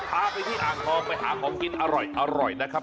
พาไปที่อ่างทองไปหาของกินอร่อยนะครับ